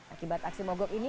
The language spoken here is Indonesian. akibat aksi mogok ini